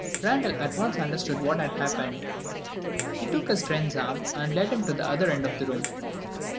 Randal at once understood what had happened. He took his friend's arm, and led him to the other end of the room.